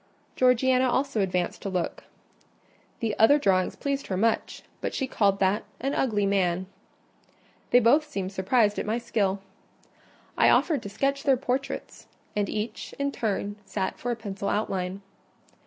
Georgiana also advanced to look. The other drawings pleased her much, but she called that "an ugly man." They both seemed surprised at my skill. I offered to sketch their portraits; and each, in turn, sat for a pencil outline.